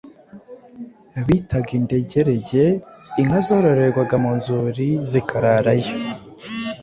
bitaga indegerege. Inka zororerwaga mu nzuri zikararayo